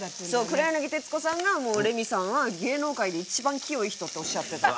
黒柳徹子さんがレミさんは芸能界で一番清い人っておっしゃってた。